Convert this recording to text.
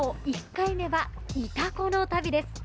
１回目は、潮来の旅です。